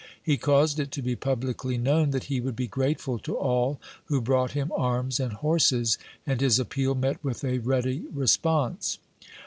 He caused it to be publicly known that he would be grateful to all who brought him arms and horses, and his appeal met with a ready response.